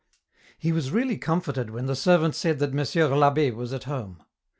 He was really comforted when the servant said that Monsieur I'Abb^ was at home.